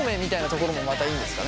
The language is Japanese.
ところもまたいいんですかね。